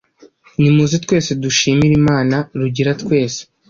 nimuze twese dushimire imana; rugira twese